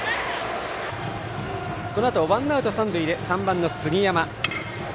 このあとワンアウト三塁で３番の杉山。